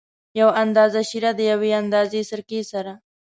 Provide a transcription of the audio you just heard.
یو اندازه شېره د یوې اندازه سرکې سره.